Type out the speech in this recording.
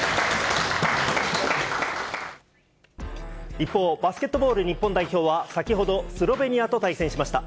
一方、バスケットボール日本代表は先ほど、スロベニアと対戦しました。